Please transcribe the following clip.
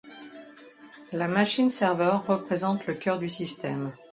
La machine serveur représente le cœur du système.